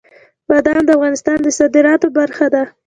بادام د افغانستان د صادراتو برخه ده.